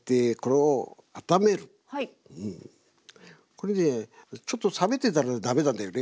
これねちょっと冷めてたら駄目なんだよね。